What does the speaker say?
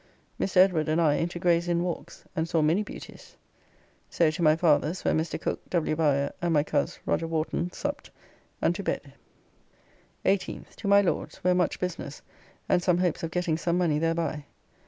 Mr. Edward and I into Gray's Inn walks, and saw many beauties. So to my father's, where Mr. Cook, W. Bowyer, and my coz Roger Wharton supped and to bed. 18th. To my Lord's, where much business and some hopes of getting some money thereby.